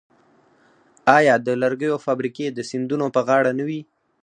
آیا د لرګیو فابریکې د سیندونو په غاړه نه وې؟